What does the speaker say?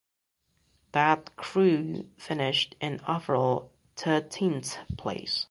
That crew finished in overall thirteenth place.